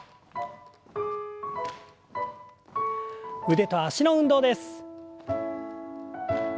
腕と脚の運動です。